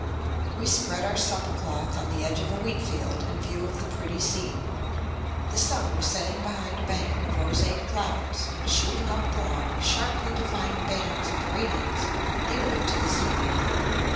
We spread our supper cloth on the edge of a wheat field, in view of the pretty scene. The sun was setting behind a bank of roseate clouds, and shooting up broad, sharply defined bands of radiance nearly to the zenith.